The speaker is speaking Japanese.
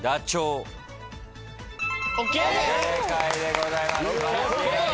正解でございます。